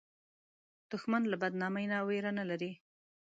دښمن له بدنامۍ نه ویره نه لري